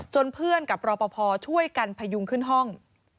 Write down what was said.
เพื่อนกับรอปภช่วยกันพยุงขึ้นห้อง